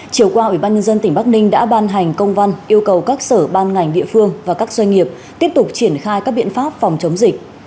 chiều qua ủy ban nhân dân tỉnh bắc ninh đã ban hành công văn yêu cầu các sở ban ngành địa phương và các doanh nghiệp tiếp tục triển khai các biện pháp phòng chống dịch